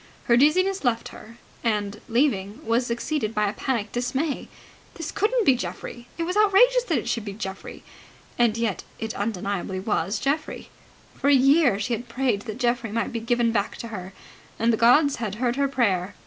Her dizziness left her; and, leaving, was succeeded by a panic dismay. This couldn't be Geoffrey! It was outrageous that it should be Geoffrey! And yet it undeniably was Geoffrey. For a year she had prayed that Geoffrey might be given back to her, and the gods had heard her prayer.